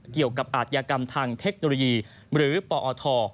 เกี่ยวกับอาชญากรรมทางเทคโนโลยีหรือปอท